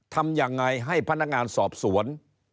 ทำยังไงให้พนักงานสอบสวน